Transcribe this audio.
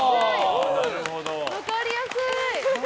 分かりやすい。